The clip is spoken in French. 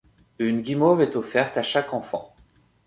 Une guimauve est offerte à chaque enfant.